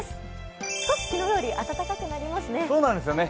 少し昨日より、暖かくなりますね。